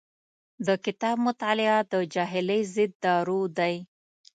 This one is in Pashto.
د کتاب مطالعه د جاهلۍ ضد دارو دی.